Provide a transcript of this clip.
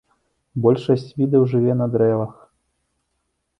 Большасць відаў жыве на дрэвах.